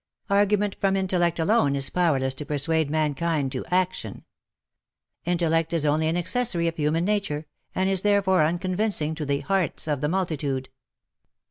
Argument from intellect alone is powerless to persuade mankind to action. Intellect is only an accessory of human nature, and is therefore unconvincing to the hearts of the multitude.